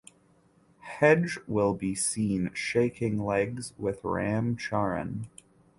Hegde will be seen shaking legs with Ram Charan.